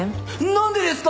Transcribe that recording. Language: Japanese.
何でですか！？